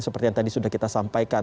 seperti yang tadi sudah kita sampaikan